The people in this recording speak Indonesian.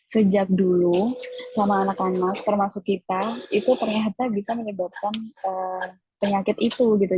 sejak dulu sama anak anak termasuk kita itu ternyata bisa menyebabkan penyakit itu gitu